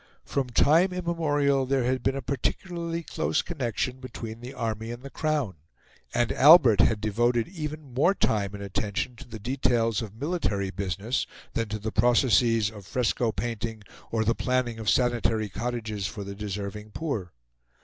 From time immemorial there had been a particularly close connection between the Army and the Crown; and Albert had devoted even more time and attention to the details of military business than to the processes of fresco painting or the planning of sanitary cottages for the deserving poor.